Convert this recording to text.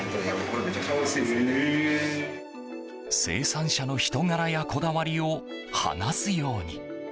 生産者の人柄やこだわりを話すように。